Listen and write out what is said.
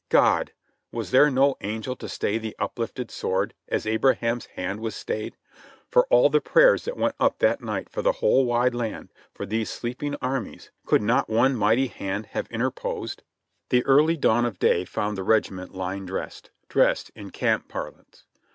God! was there no angel to stay the uplifted sword, as Abraliam's hand was stayed ; for all the prayers that went up that night from the whole wide land for those sleeping armies, could not one mighty hand have interposed? The early dawn of day found the regiment lying dressed —• "dressed" in camp parlance.